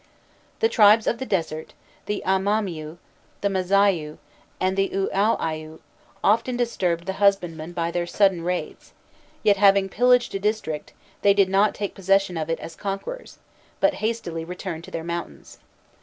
The tribes of the desert, the Amamiû, the Mâzaiû, and the Uaûaiû often disturbed the husbandmen by their sudden raids; yet, having pillaged a district, they did not take possession of it as conquerors, but hastily returned to their mountains.